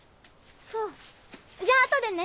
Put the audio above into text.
そうじゃあ後でね。